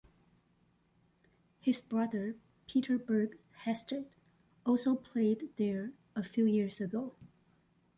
His brother, Peter Berg Hestad, also played there a few years.